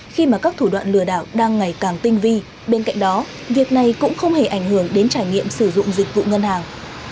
khi mà các thủ đoạn lừa đảo đang ngày càng tinh vi bên cạnh đó việc này cũng không hề ảnh hưởng đến trải nghiệm sử dụng dịch vụ ngân hàng